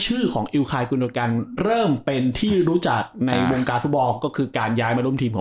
ชื่อของเริ่มเป็นที่รู้จักในวงการธุบอลก็คือการย้ายมาร่วมทีมของ